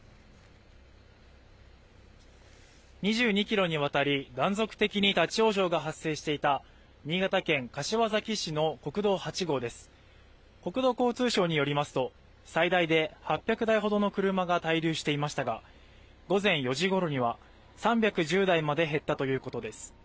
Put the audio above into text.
２２キロにわたり断続的に立ち往生が発生していた新潟県柏崎市の国道８号です国土交通省によりますと最大で８００台ほどの車が滞留していましたが午前４時ごろには３１０台まで減ったということです